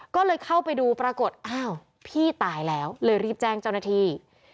ก็เลยเข้าไปดูปรากฏอ้าวพี่ตายแล้วเลยรีบแจ้งเจ้าหน้าที่